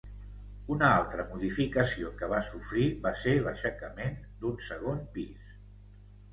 Una altra modificació que va sofrir va ser l'aixecament d'un segon pis.